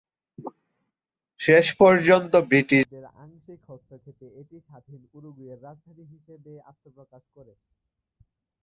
শেষ পর্যন্ত ব্রিটিশদের আংশিক হস্তক্ষেপে এটি স্বাধীন উরুগুয়ের রাজধানী হিসেবে আত্মপ্রকাশ করে।